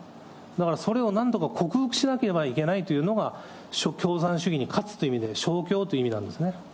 だからそれをなんとか克服しなければいけないというのが、共産主義に勝つっていう意味で、勝共という意味なんですね。